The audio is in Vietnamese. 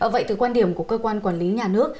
vậy từ quan điểm của cơ quan quản lý nhà nước